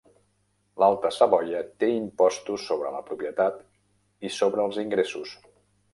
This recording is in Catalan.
L'alta Savoia té impostos sobre la propietat i sobre els ingressos.